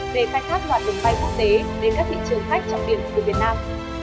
để khai thác loạt trường bay quốc tế đến các thị trường khách trong biển từ việt nam